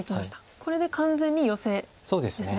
これで完全にヨセですね。